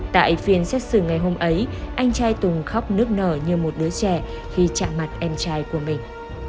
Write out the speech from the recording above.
tại phiên xét xử ngày hôm ấy anh trai tùng khóc nước nở như một đứa trẻ khi chạm mặt em trai của mình